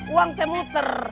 uang teh muter